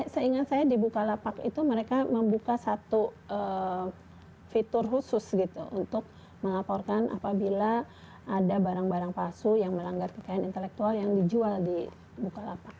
seingat saya di bukalapak itu mereka membuka satu fitur khusus gitu untuk melaporkan apabila ada barang barang palsu yang melanggar kekayaan intelektual yang dijual di bukalapak